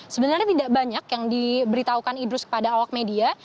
sebenarnya tidak banyak yang diberitahukan idrus kepada awak media